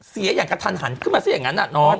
เสียอย่างกระทันหันขึ้นมาซะอย่างนั้นน้อง